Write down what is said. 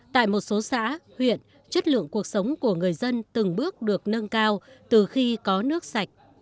tại một số xã huyện chất lượng cuộc sống của người dân từng bước được nâng cao từ khi có nước sạch